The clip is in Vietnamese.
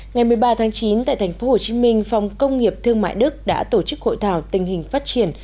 ngày một mươi ba tháng chín tại tp hcm phòng công nghiệp thương mại đức đã tổ chức hội thảo tình hình phát triển